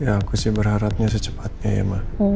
ya aku sih berharapnya secepatnya ya ma